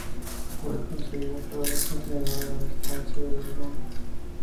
Fue concebida para dar continuidad a la dinastía de Aragón.